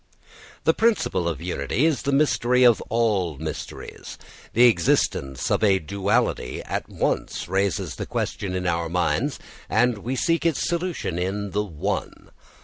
This principle of unity is the mystery of all mysteries. The existence of a duality at once raises a question in our minds, and we seek its solution in the One.